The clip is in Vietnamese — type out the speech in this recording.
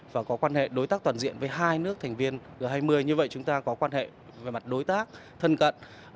và có quan hệ đối tác toàn diện với hai nước thành viên g hai mươi như vậy chúng ta có quan hệ về mặt đối tác thân cận